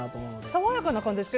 爽やかな感じです。